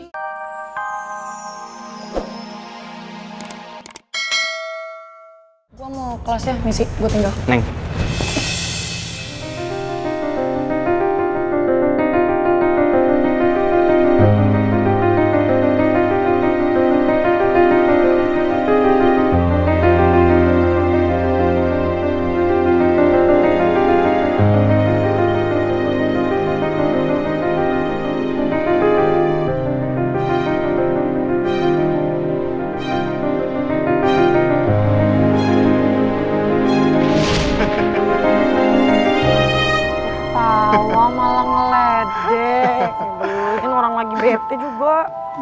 ibuin orang lagi bete juga